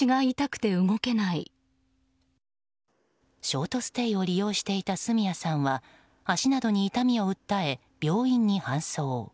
ショートステイを利用していた角谷さんは足などに痛みを訴え、病院に搬送。